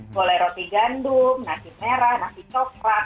boleh roti gandum nasi merah nasi coklat